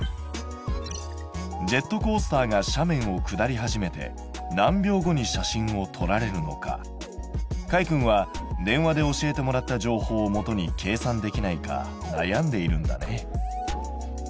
ジェットコースターが斜面を下り始めて何秒後に写真を撮られるのかかいくんは電話で教えてもらった情報をもとに計算できないかなやんでいるんだね。